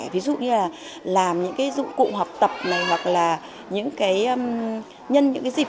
ví dụ như là làm những dụng cụ học tập hoặc là nhân những dịp